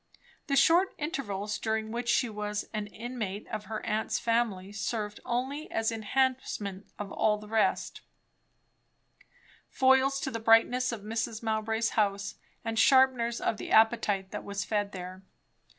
The short intervals during which she was an inmate of her aunt's family served only as enhancement of all the rest; foils to the brightness of Mrs. Mowbray's house, and sharpeners of the appetite that was fed there.